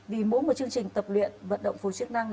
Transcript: vì mỗi một chương trình tập luyện vận động phù hợp chức năng